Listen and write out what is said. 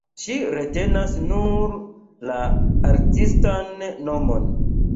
Ŝi retenas nur la artistan nomon.